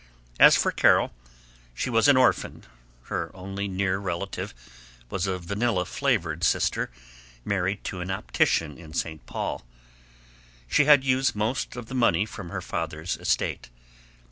As for Carol, she was an orphan; her only near relative was a vanilla flavored sister married to an optician in St. Paul. She had used most of the money from her father's estate.